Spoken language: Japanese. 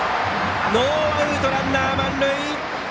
ノーアウトランナー、満塁！